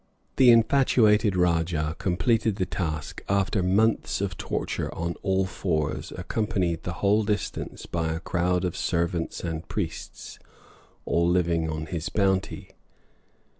The infatuated rajah completed the task, after months of torture, on all fours, accompanied the whole distance by a crowd of servants and priests, all living on his bounty.